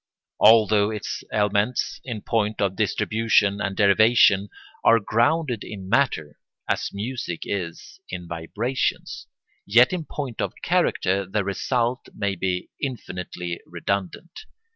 Although its elements, in point of distribution and derivation, are grounded in matter, as music is in vibrations, yet in point of character the result may be infinitely redundant.